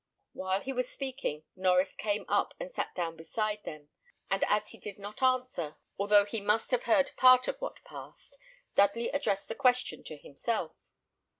While he was speaking, Norries came up, and sat down beside them, and as he did not answer, although he must have heard part of what passed, Dudley addressed the question to himself.